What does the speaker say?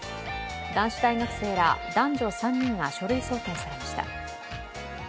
男子大学生ら男女３人が書類送検されました。